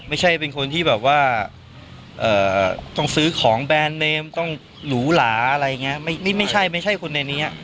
ผู้ไม่ใช่คนที่ต้องซื้อของแบนเมมต้องหุระอะไรยังไงไม่ใช่คนในนี้